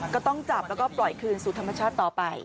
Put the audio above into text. ก็ต้องจับแล้วก็ปล่อยคืนสู่ธรรมชาติต่อไป